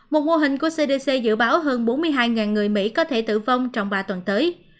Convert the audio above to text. một mô hình của cdc dự báo hơn bốn mươi hai người mỹ có thể tử vong trong ba tuần tới